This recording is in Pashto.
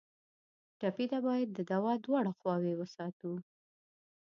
ټپي ته باید د دوا دواړه خواوې وساتو.